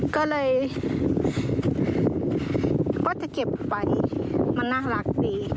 ก็เลยก็จะเก็บไปมันน่ารักดี